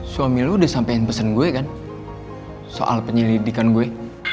suami lo udah sampein pesen gue kan soal penyelidikan gue